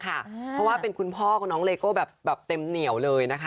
เพราะว่าเป็นคุณพ่อของน้องเลโก้แบบเต็มเหนียวเลยนะคะ